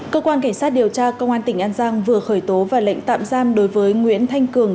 cơ quan cảnh sát điều tra công an tỉnh an giang vừa khởi tố và lệnh tạm giam đối với nguyễn thanh cường